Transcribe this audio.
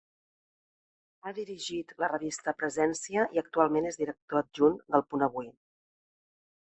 Ha dirigit la revista Presència i, actualment, és director adjunt d’El Punt Avui.